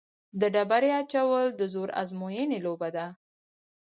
د ډبرې اچول د زور ازموینې لوبه ده.